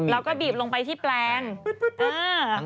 แล้วก็บีบลงไปที่แปลง